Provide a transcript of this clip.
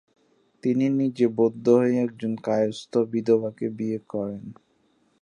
তিনি নিজে বৈদ্য হয়ে একজন কায়স্থ বিধবাকে বিয়ে করেন।